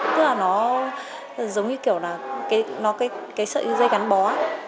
tức là nó giống như kiểu là cái sợi dây gắn bó